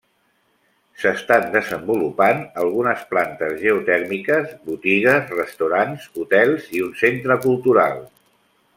S'estan desenvolupament algunes plantes geotèrmiques, botigues, restaurants, hotels i un centre cultural.